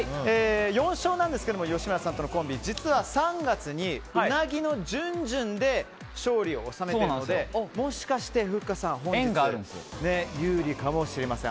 ４勝なんですが吉村さんとのコンビ実は３月にうなぎのじゅんじゅんで勝利を収めているのでもしかしてふっかさん本日有利かもしれません。